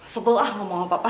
sebelah ngomong sama papa